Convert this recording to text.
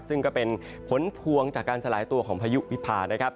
ซึ่งก็เป็นผลพวงจากการสลายตัวของพายุวิพานะครับ